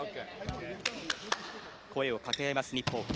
声をかけ合います、日本。